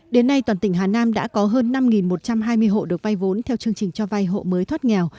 đến nay toàn tỉnh hà nam đã có hơn năm một trăm hai mươi hộ được vay vốn theo chương trình cho vay hộ mới thoát nghèo